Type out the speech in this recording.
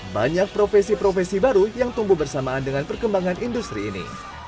banyak profesi profesi baru yang tumbuh bersamaan dengan perkembangan industri ini